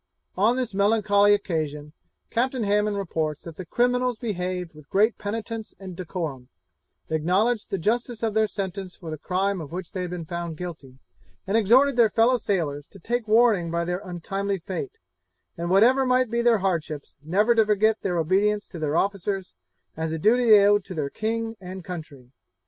On this melancholy occasion, Captain Hamond reports that 'the criminals behaved with great penitence and decorum, acknowledged the justice of their sentence for the crime of which they had been found guilty, and exhorted their fellow sailors to take warning by their untimely fate, and whatever might be their hardships, never to forget their obedience to their officers, as a duty they owed to their king and country.'